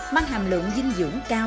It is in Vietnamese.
mang hàm lượng dinh dưỡng cao